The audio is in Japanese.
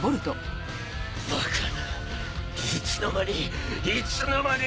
バカないつの間にいつの間に！